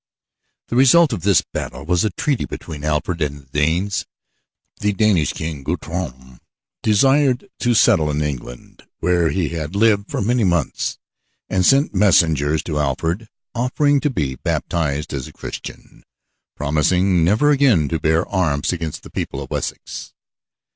The result of this battle was a treaty between Alfred and the Danes. The Danish king, Guthrum, desired to settle in England, where he had lived for many months; and he sent messengers to Alfred, offering to be baptized as a Christian, promising never again to bear arms against the people of Wessex.